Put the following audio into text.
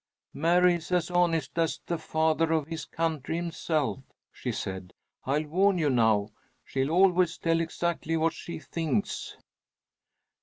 "Mary is as honest as the father of his country himself," she said. "I'll warn you now. She'll always tell exactly what she thinks."